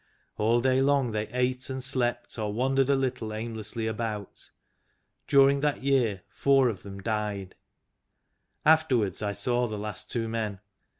All day long they ate and slept or wan dered a little aimlessly about. During that year four of them died. Afterwards I saw the last two men.